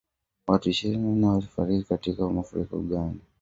Watu ishirini na nne wafariki katika mafuriko Uganda